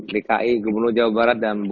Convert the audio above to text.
dki gubernur jawa barat dan